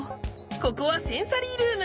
ここはセンサリールーム。